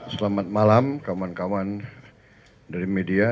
selamat malam kawan kawan dari media